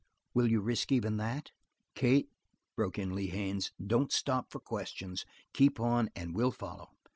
Will you risk even that?" "Kate," broke in Lee Haines, "don't stop for questions. Keep on and we'll follow.